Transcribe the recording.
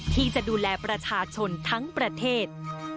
ที่จะดูแลประชาชนทั้งประเทศ